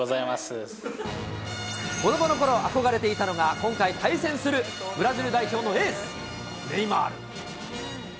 子どものころ憧れていたのが、今回、対戦するブラジル代表のエース、ネイマール。